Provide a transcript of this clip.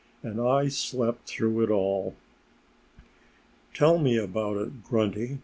And I slept through it all! "Tell me all about it, Grunty!"